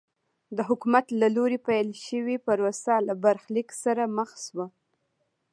د حکومت له لوري پیل شوې پروسه له برخلیک سره مخ شوه.